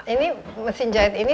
ini mesin jahit ini